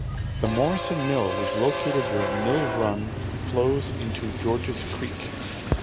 The Morrison Mill was located where Mill Run flows into Georges Creek.